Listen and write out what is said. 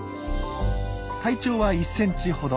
体長は１センチほど。